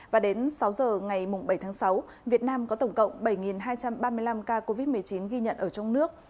và đến sáu giờ ngày bảy tháng sáu việt nam có tổng cộng bảy hai trăm ba mươi năm ca covid một mươi chín ghi nhận ở trong nước